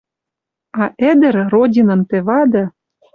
А ӹдӹр Родинын тӹ вады